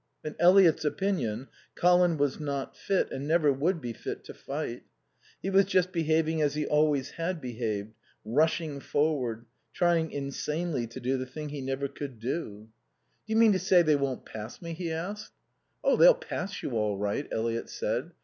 In Eliot's opinion Colin was not fit and never would be fit to fight. He was just behaving as he always had behaved, rushing forward, trying insanely to do the thing he never could do. "Do you mean to say they won't pass me?" he asked. "Oh, they'll pass you all right," Eliot said.